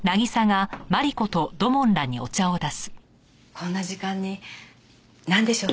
こんな時間になんでしょうか？